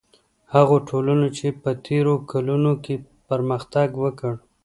هغو ټولنو چې په تېرو کلونو کې پرمختګ وکړ.